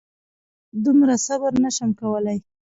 دومره صبر نه شم کولی.